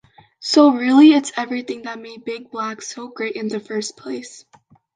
So really, it's everything that made Big Black so great in the first place.